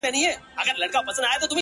پرون مي دومره درته وژړله _